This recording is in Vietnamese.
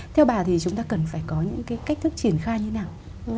theo bà thì chúng ta cần phải có những cái cách thức triển khai như thế nào